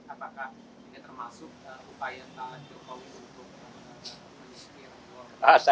apakah ini termasuk upaya pak jokowi untuk menispirasi